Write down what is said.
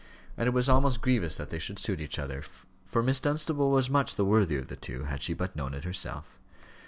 And it was almost grievous that they should suit each other, for Miss Dunstable was much the worthier of the two, had she but known it herself.